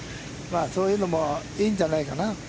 そういうのもいいんじゃないかな。